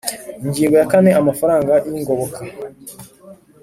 Ingingo ya kane Amafaranga y ingoboka